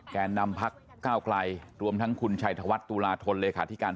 เพราะว่าผมบอกว่ามาตรา๑๐๒ไม่ใช่เป็นเรื่องที่จะแก้ได้ง่าย